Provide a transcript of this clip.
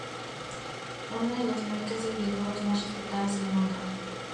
Es una de las marcas de videojuegos más respetadas del mundo.